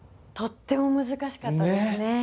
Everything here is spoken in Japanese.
とっても難しかったですね。